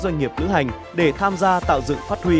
các doanh nghiệp tự hành để tham gia tạo dự phát huy